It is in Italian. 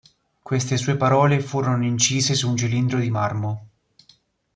Queste sue parole furono incise su un cilindro di marmo,